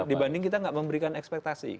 dibanding kita tidak memberikan ekspektasi